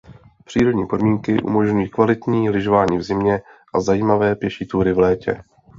Přírodní podmínky umožňují kvalitní lyžování v zimě a zajímavé pěší túry v létě.